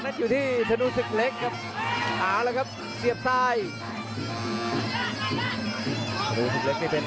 กระโดยสิ้งเล็กนี่ออกกันขาสันเหมือนกันครับ